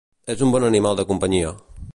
És un bon animal de companyia.